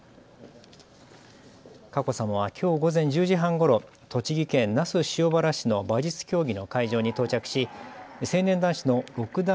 佳子さまはきょう午前１０時半ごろ栃木県那須塩原市の馬術競技の会場に到着し、成年男子の六段